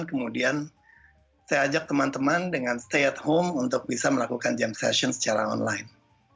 kemudian saya ajak teman teman dengan stay at home untuk bisa melakukan jam session secara online